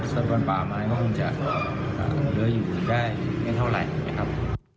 สะพานป่าไม้ก็คงจะเหลืออยู่ได้ไม่เท่าไหร่นะครับ